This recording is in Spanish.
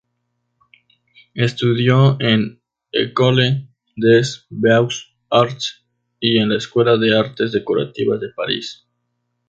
Estudió en École des Beaux-Arts y en la Escuela de Artes Decorativas de París.